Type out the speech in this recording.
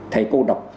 thầy cô đọc